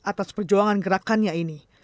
atas perjuangan gerakannya ini